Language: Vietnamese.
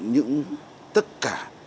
những tất cả